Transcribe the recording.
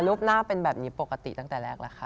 รูปหน้าเป็นแบบนี้ปกติตั้งแต่แรกแล้วค่ะ